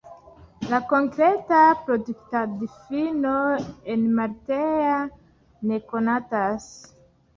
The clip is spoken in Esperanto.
La konkreta produktadfino enmalteja ne konatas.